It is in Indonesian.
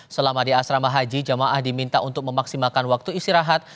selama di asrama haji jamaah diminta untuk memaksimalkan waktu istirahat